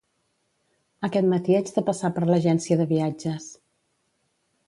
Aquest matí haig de passar per l'agència de viatges